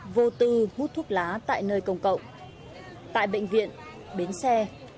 vô tư hút thuốc lá tại nơi công cộng tại bệnh viện bến xe